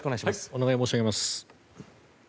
お願い申し上げます。